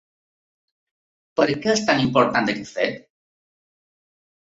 Per què és tan important aquest fet?